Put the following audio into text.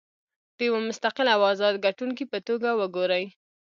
د یوه مستقل او ازاد کتونکي په توګه وګورئ.